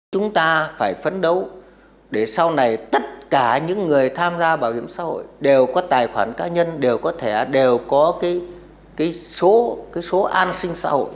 chúng ta phải phấn đấu để sau này tất cả những người tham gia bảo hiểm xã hội đều có tài khoản cá nhân đều có thẻ đều có số an sinh xã hội